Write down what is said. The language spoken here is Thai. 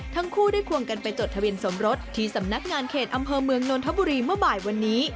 ทั้งคู่ได้ควงกันไปจดทะเบียนสมรสที่สำนักงานเขตอำเภอเมืองนนทบุรีเมื่อบ่ายวันนี้